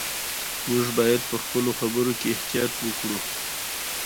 دریمه قوه د دولت قضاییه قوه بلل کیږي.